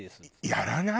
やらない？